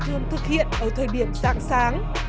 thường thực hiện ở thời điểm sáng sáng